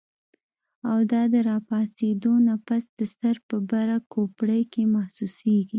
او دا د راپاسېدو نه پس د سر پۀ بره کوپړۍ کې محسوسيږي